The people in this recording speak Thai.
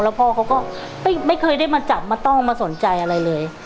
พ่อเขาก็ไม่เคยได้มาจับมาต้องมาสนใจอะไรเลย